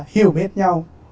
hiểu biết nhau